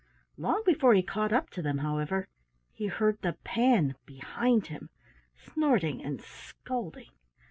Long before he caught up to them, however, he heard the Pan behind him, snorting and scolding.